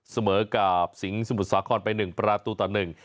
เสมอกับสิงห์สมุทรสาครไปหนึ่งประตูต่อหนึ่ง